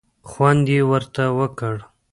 خوند یې ورته ورکړ.